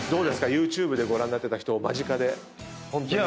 ＹｏｕＴｕｂｅでご覧になってた人を間近でホントに見て。